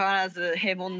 平凡な。